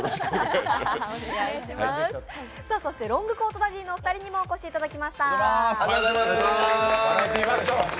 ロングコートダディのお二人にもお越しいただきました。